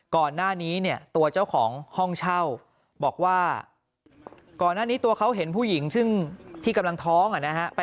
ก่อนหน้านี้เนี่ยตัวเจ้าของห้องเช่าบอกว่าก่อนหน้านี้ตัวเขาเห็นผู้หญิงซึ่งที่กำลังท้องอ่ะนะฮะ